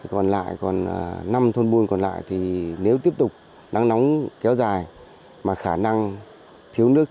còn lại còn năm thôn buôn còn lại thì nếu tiếp tục nắng nóng kéo dài mà khả năng thiếu nước